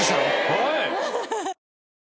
はい！